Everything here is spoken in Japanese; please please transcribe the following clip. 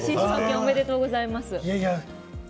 おめでとうございます。